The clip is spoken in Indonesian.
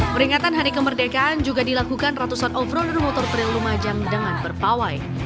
peringatan hari kemerdekaan juga dilakukan ratusan off roader motor trail lumajang dengan berpawai